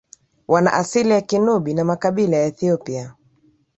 wana asili ya Kinubi na makabila ya Ethiopia